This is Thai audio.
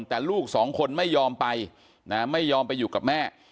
แต่ลูกสองคนไม่ยอมไปไม่ยอมไปอยู่กับแม่